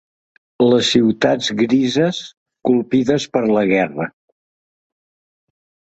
Les ciutats grises, colpides per la guerra